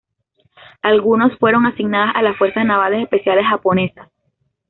Algunas fueron asignadas a las Fuerzas Navales Especiales Japonesas.